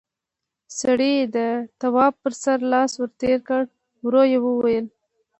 سړي د تواب پر سر لاس ور تېر کړ، ورو يې وويل: